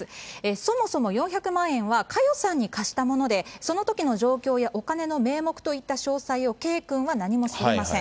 そもそも４００万円は佳代さんに貸したもので、そのときの状況やお金の名目といった詳細を圭君は何も知りません。